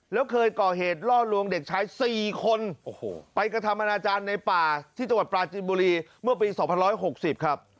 แล้วเคยก่อเหตุล่อลวงเด็กชาย๔คนไปกระทำอนาจารย์ในป่าที่จังหวัดปลาจินบุรีเมื่อปี๒๖๐ครับ